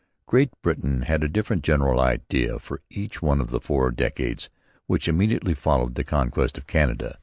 Great Britain had a different general idea for each one of the four decades which immediately followed the conquest of Canada.